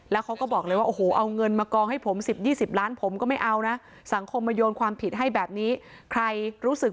๒๐ล้านผมก็ไม่เอานะสังคมมาโยนความผิดให้แบบนี้ใครรู้สึก